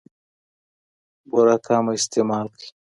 بوره کمه استعمال کړئ.